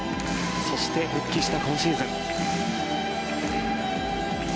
そして復帰した今シーズン。